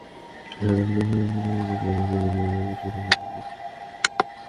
তবে বেশ কয়েকটি ছবিতে কাজ করে তিনি এটা বেশ সামলে নিয়েছেন।